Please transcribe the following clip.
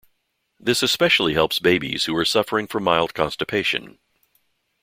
This especially helps babies who are suffering from mild constipation.